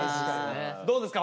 どうですか？